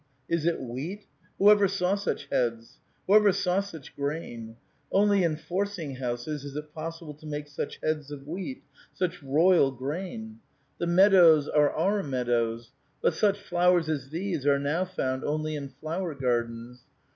Is it wheat? Who ever saw such heads? Who ever saw such grain? Only in forcing houses is it possible to make such heads of wheat, such royal grain ! The meadows are our mead ows ; but such flowers as these are now found only in flower gardens.